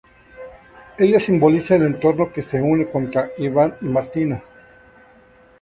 Ella simboliza el entorno que se une contra Ivan y Martina.